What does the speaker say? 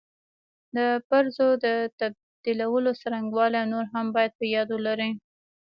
د پرزو د تبدیلولو څرنګوالي او نور هم باید په یاد ولري.